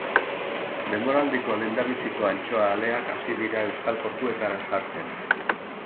Denboraldiko lehendabiziko antxoa aleak hasi dira euskal portuetara sartzen.